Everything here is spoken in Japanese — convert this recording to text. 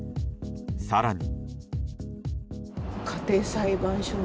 更に。